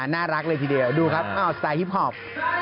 น่ารักเลยทีเดียวดูครับสไตลฮิปพอป